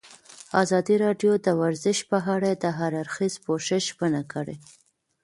ازادي راډیو د ورزش په اړه د هر اړخیز پوښښ ژمنه کړې.